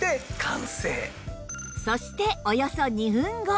そしておよそ２分後